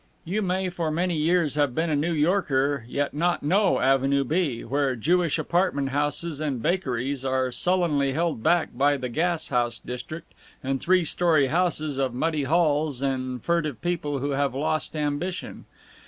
You may for many years have been a New Yorker, yet not know Avenue B, where Jewish apartment houses and bakeries are sullenly held back by the gas house district and three story houses of muddy halls and furtive people who have lost ambition.